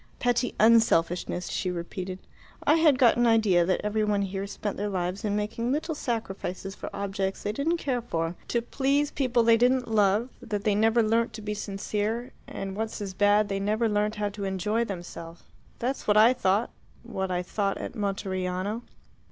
"Petty unselfishness," she repeated. "I had got an idea that every one here spent their lives in making little sacrifices for objects they didn't care for, to please people they didn't love; that they never learnt to be sincere and, what's as bad, never learnt how to enjoy themselves. That's what I thought what I thought at Monteriano."